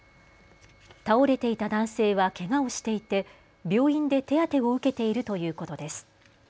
倒れていた男性はけがをしていて病院で手当てを受けているということです。